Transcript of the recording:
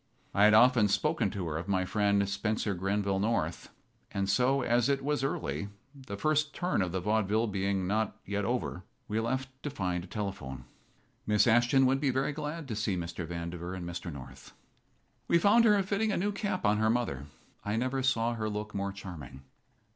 I had often spoken to her of my friend, Spencer Grenville North; and so, as it was early, the first turn of the vaudeville being not yet over, we left to find a telephone. Miss Ashton would be very glad to see Mr. Vandiver and Mr. North. We found her fitting a new cap on her mother. I never saw her look more charming.